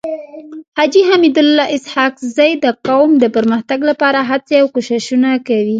حاجي حميدالله اسحق زی د قوم د پرمختګ لپاره هڅي او کوښښونه کوي.